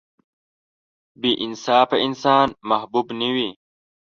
• بې انصافه انسان محبوب نه وي.